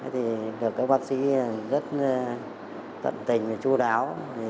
thì được các bác sĩ rất tận tình và chú đáo